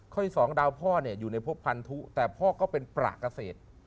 ที่สองดาวพ่อเนี่ยอยู่ในพบพันธุแต่พ่อก็เป็นประเกษตร